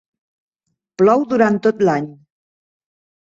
Plou durant tot l'any.